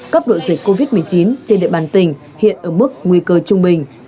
cấp độ dịch covid một mươi chín trên địa bàn tỉnh hiện ở mức nguy cơ trung bình